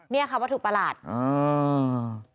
เนี่ยค่ะวัตถุประหลาดอ่า